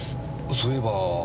そういえば。